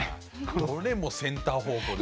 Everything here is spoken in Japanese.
どれもセンター方向で。